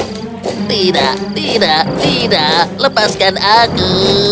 tidak tidak tidak lepaskan aku